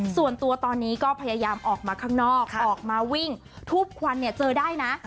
ส่วนตัวตอนนี้ก็พยายามออกมาข้างนอกออกมาวิ่งทูบควันเนี่ยเจอได้นะ